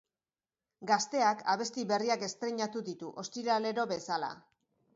Gazteak abesti berriak estreinatu ditu, ostiralero bezala.